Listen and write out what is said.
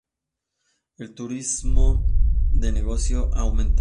El turismo de negocios ha aumentado.